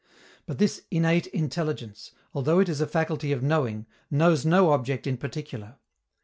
But this innate intelligence, although it is a faculty of knowing, knows no object in particular.